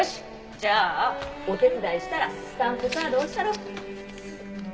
じゃあお手伝いしたらスタンプカード押したろ。